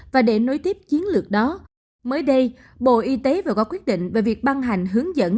và để nối tiếp chiến lược đó mới đây bộ y tế vừa có quyết định về việc ban hành hướng dẫn